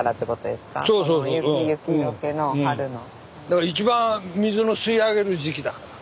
だから一番水の吸い上げる時期だから。